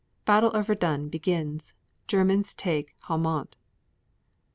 Battle of Verdun begins. Germans take Haumont. 25.